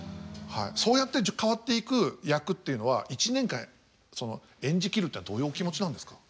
そうやって変わっていく役っていうのは１年間その演じ切るっていうのはどういうお気持ちなんですか？